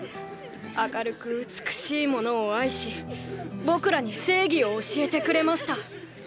明るく美しいものを愛し僕らに正義を教えてくれました。